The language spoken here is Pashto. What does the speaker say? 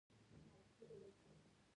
ایا زه باید لوښي پریمنځم؟